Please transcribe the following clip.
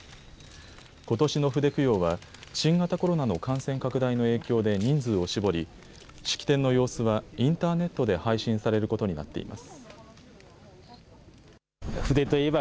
ことしの筆供養は新型コロナの感染拡大の影響で人数を絞り式典の様子はインターネットで配信されることになっています。